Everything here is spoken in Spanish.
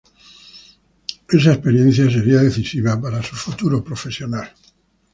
Esa experiencia sería decisiva para su futuro quehacer.